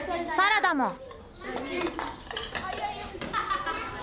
サラダも。